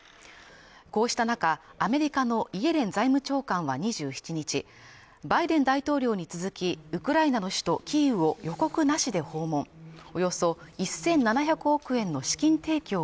こうした中、アメリカのイエレン財務長官は２７日、バイデン大統領に続き、ウクライナの首都キーウを予告なしで訪問わぁ！